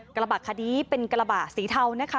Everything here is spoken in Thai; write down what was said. กระบะคันนี้เป็นกระบะสีเทานะคะ